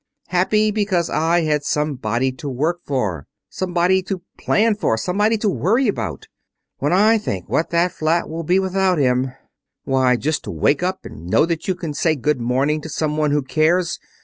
"Happy because I had somebody to work for, somebody to plan for, somebody to worry about. When I think of what that flat will be without him Why, just to wake up and know that you can say good morning to some one who cares!